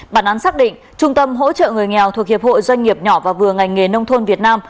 bản án xác định trung tâm hỗ trợ người nghèo thuộc hiệp hội doanh nghiệp nhỏ và vừa ngành nghề nông thôn việt nam